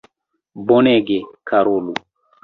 Bonege, karulo!